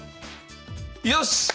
よし！